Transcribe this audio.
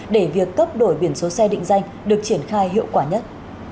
để việc cấp đổi biển số xe định danh được triển khai hiệu quả nhất